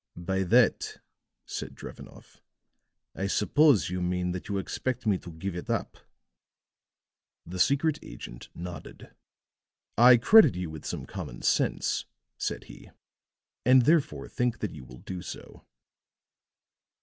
"By that," said Drevenoff, "I suppose you mean that you expect me to give it up." The secret agent nodded. "I credit you with some common sense," said he, "and therefore think that you will do so."